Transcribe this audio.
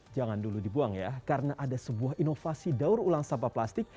jangan dulu dibuang ya karena ada sebuah inovasi daur ulang sampah plastik